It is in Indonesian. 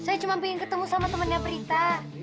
saya cuma pengen ketemu sama temennya berita